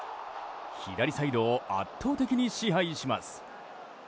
左サイドを圧倒的に支配します。